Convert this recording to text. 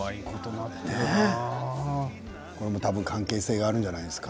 何か関係性があるんじゃないですか？